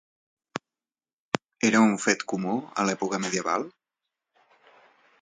Era un fet comú a l'època medieval?